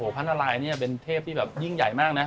พระนารายเนี่ยเป็นเทพที่แบบยิ่งใหญ่มากนะ